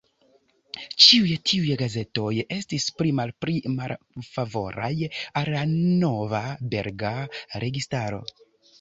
Ĉiuj tiuj gazetoj estis pli malpli malfavoraj al la nova belga registaro.